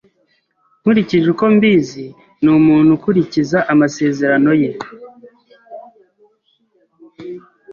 Nkurikije uko mbizi, ni umuntu ukurikiza amasezerano ye.